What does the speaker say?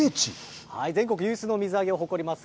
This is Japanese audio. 全国有数の水揚げを誇ります